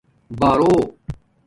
بݳرݸ